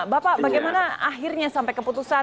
bapak bagaimana akhirnya sampai keputusan